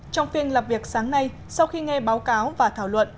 trong phiên lập việc sáng nay sau khi nghe báo cáo và thảo luận